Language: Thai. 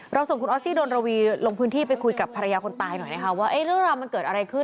ส่งคุณออสซี่ดนระวีลงพื้นที่ไปคุยกับภรรยาคนตายหน่อยนะคะว่าเรื่องราวมันเกิดอะไรขึ้น